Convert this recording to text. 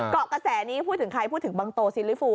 เกาะกระแสนี้พูดถึงใครพูดถึงบังโตซิลิฟู